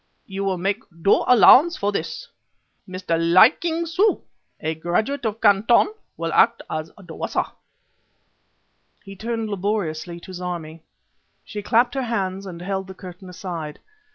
You will make due allowance for this. Mr. Li King Su, a graduate of Canton, will act as dresser." He turned laboriously to Zarmi. She clapped her hands and held the curtain aside.